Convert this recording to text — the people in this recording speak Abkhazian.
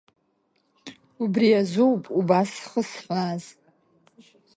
Убри азоуп убас зхысҳәааз.